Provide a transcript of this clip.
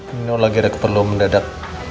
ini lagi ada keperluan mendadak